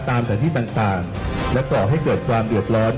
ตามสถานที่ต่างและก่อให้เกิดความเดือดร้อน